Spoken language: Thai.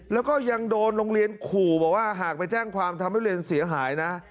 แล้วก็ยังโดนโรงเรียนขู่บอกว่าหากไปแจ้งความทำให้เรียนเสียหายนะ